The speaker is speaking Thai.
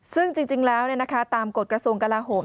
ซึ่งจริงแล้วตามกฎกระทรวงกลาโหม